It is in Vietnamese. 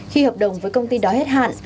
khi hợp đồng với công ty đó hết hạn